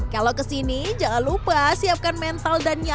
kalau kesini jangan lupa siapkan mental dan nyaman